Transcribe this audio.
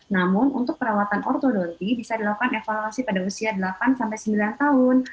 namun untuk perawatan ortodonti bisa dilakukan evaluasi pada usia delapan sembilan tahun